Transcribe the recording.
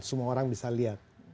semua orang bisa lihat